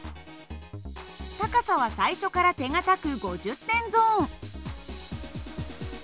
高さは最初から手堅く５０点ゾーン。